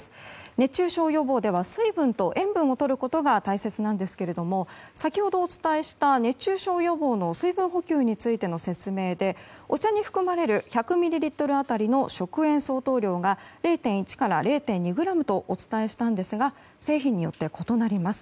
熱中症予防では水分と塩分をとることが大切なんですが先ほどお伝えした熱中症予防の水分補給についての説明でお茶に含まれる１００ミリリットル当たりの食塩相当量が０．１から０．２ｇとお伝えしましたが製品によって異なります。